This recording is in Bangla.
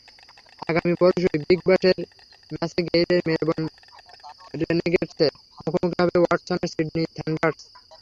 আগামী পরশুই বিগ ব্যাশের ম্যাচে গেইলের মেলবোর্ন রেনেগেডসের মুখোমুখি হবে ওয়াটসনের সিডনি থান্ডার্স।